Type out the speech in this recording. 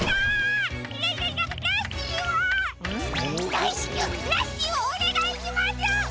だいしきゅうラッシーをおねがいします！